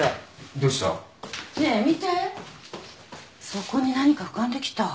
底に何か浮かんできた。